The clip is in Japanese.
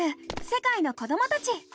世界の子どもたち」。